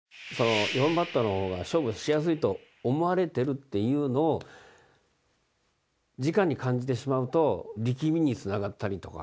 ４番バッターの方が勝負しやすいと思われてるっていうのをじかに感じてしまうと力みにつながったりとか焦りにつながったりっていうのは